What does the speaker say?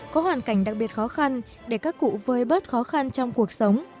có hoàn cảnh đặc biệt khó khăn để các cụ vơi bớt khó khăn trong cuộc sống